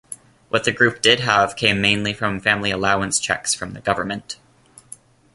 What the group did have came mainly from family allowance cheques from the government.